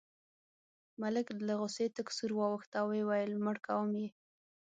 ملک له غوسې تک سور واوښت او وویل مړ کوم یې.